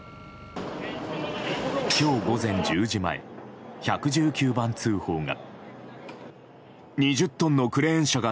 今日午前１０時前１１９番通報が。